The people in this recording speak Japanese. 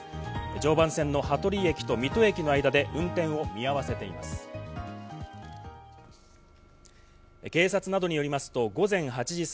常磐線の羽鳥駅と水戸駅の間で運転を見合わせています。